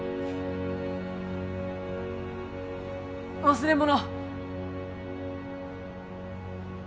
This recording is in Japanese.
忘れ物